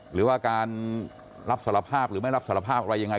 หรือว่าการรับสารภาพหรือไม่รับสารภาพอะไรยังไง